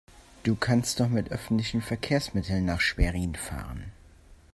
Du kannst doch mit öffentlichen Verkehrsmitteln nach Schwerin fahren